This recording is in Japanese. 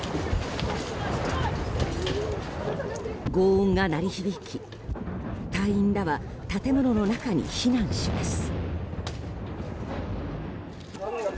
轟音が鳴り響き隊員らは建物の中に避難します。